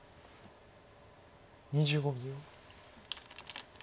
２５秒。